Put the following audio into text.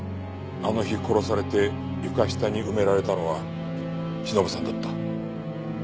あの日殺されて床下に埋められたのはしのぶさんだった。